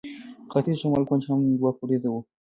ختیځ او شمال کونج هم دوه پوړیزه وه.